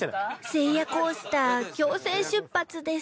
せいやコースター強制出発です